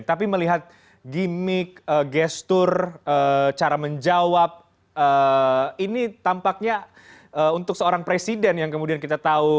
tapi melihat gimmick gestur cara menjawab ini tampaknya untuk seorang presiden yang kemudian kita tahu